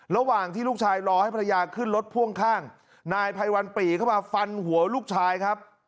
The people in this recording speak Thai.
ระหว่างที่ลูกชายรอให้ภรรยาขึ้นรถพ่วงข้างนายไพวันปีเข้ามาฟันหัวลูกชายครับ